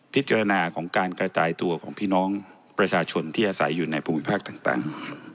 พิจารณาของการกระจายตัวของพี่น้องประชาชนที่อาศัยอยู่ในภูมิภาคต่าง